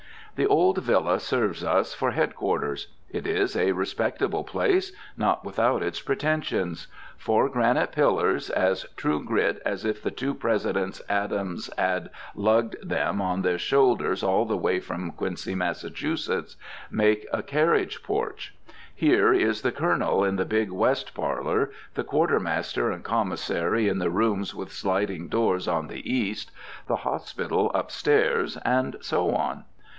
The old villa serves us for head quarters. It is a respectable place, not without its pretensions. Four granite pillars, as true grit as if the two Presidents Adams had lugged them on their shoulders all the way from Quincy, Mass., make a carriage porch. Here is the Colonel in the big west parlor, the Quartermaster and Commissary in the rooms with sliding doors on the east, the Hospital upstairs, and so on.